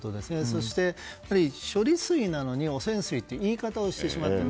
そして、処理水なのに汚染水って言い方をしてしまっている。